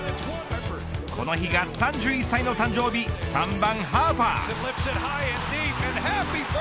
この日が３１歳の誕生日３番、ハーパー。